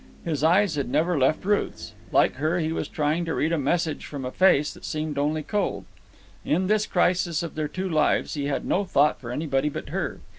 His eyes had never left Ruth's. Like her, he was trying to read a message from a face that seemed only cold. In this crisis of their two lives he had no thought for anybody but her.